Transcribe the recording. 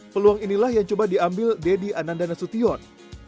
peluang inilah yang coba diambil deddy anandana sution